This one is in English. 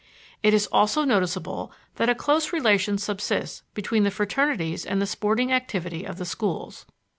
It is also noticeable that a close relation subsists between the fraternities and the sporting activity of the schools.